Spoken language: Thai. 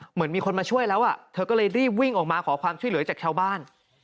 เหมือนมีคนมาช่วยแล้วเธอก็เลยรีบวิ่งออกมาขอความช่วยเหลือจากชาวบ้าน